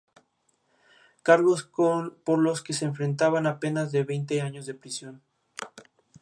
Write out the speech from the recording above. Cargos por los que se enfrentaban a penas de veinte años de prisión.